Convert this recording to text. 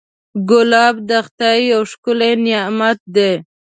ګلاب د خدای یو ښکلی نعمت دی.